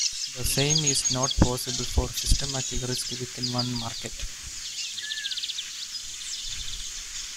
The same is not possible for systematic risk within one market.